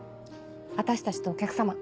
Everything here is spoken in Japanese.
私たちとお客さま